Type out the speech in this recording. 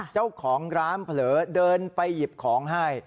เจ้าของร้านเผลอเดินไปหยิบของให้